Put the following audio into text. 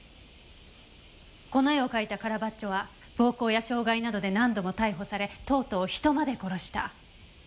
この絵を描いたカラヴァッジョは暴行や傷害などで何度も逮捕されとうとう人まで殺した。